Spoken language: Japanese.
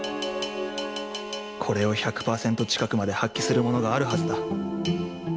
これを １００％ 近くまで発揮するものがあるはずだ